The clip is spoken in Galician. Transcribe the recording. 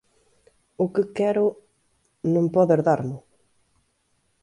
O que quero... non podes darmo.